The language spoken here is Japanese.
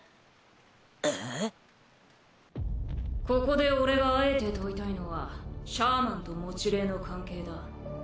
ここで俺があえて問いたいのはシャーマンと持霊の関係だ。